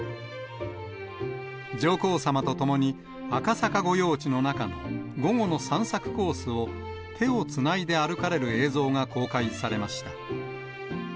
上皇さまと共に赤坂御用地の中の、午後の散策コースを、手をつないで歩かれる映像が公開されました。